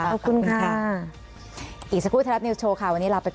รบขึ้นค่า